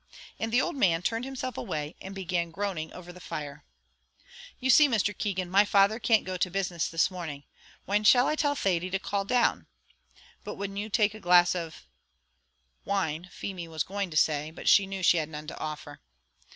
And the old man turned himself away, and began groaning over the fire. "You see, Mr. Keegan, my father can't go to business this morning. When shall I tell Thady to call down? But wouldn't you take a glass of " Wine, Feemy was going to say, but she knew she had none to offer.